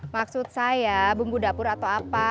maksud saya bumbu dapur atau apa